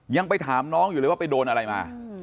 ยังไปถามน้องอยู่เลยว่าไปโดนอะไรมา